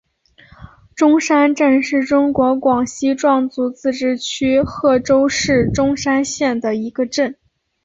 钟山镇是中国广西壮族自治区贺州市钟山县的一个镇。